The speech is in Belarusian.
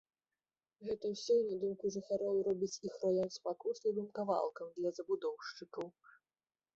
Гэта ўсё, на думку жыхароў, робіць іх раён спакуслівым кавалкам для забудоўшчыкаў.